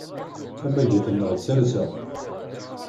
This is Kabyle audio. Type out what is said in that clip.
Tamagit-nneɣ d talsa.